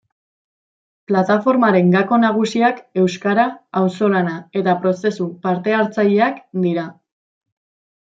Plataformaren gako nagusiak euskara, auzolana eta prozesu parte-hartzaileak dira.